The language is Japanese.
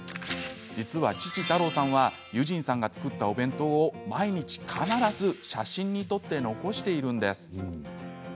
実は、父・太朗さんは結尋さんが作ったお弁当を毎日必ず写真に撮って残しているんです。